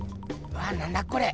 わぁなんだこれ。